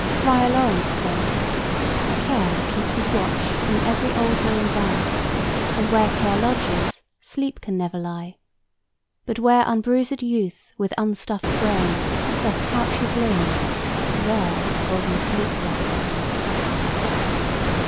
Friar Laurence says: "Care keeps his watch in every old man's eye, And where care lodges, sleep can never lie; But where unbruisèd youth with unstuffed brain Doth couch his limbs, there golden sleep doth reign."